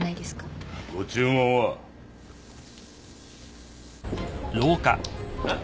ご注文は？えっ？